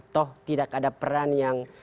toh tidak ada peran yang